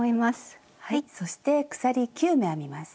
そして鎖９目編みます。